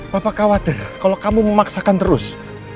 bapak khawatir kalau kamu memaksakan terus